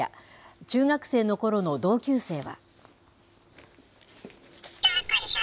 中学生のころの同級生は。